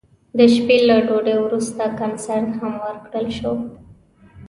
د شپې له ډوډۍ وروسته کنسرت هم ورکړل شو.